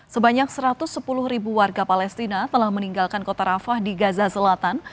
sebanyak satu ratus sepuluh ribu warga palestina telah meninggalkan kota rafah di gaza selatan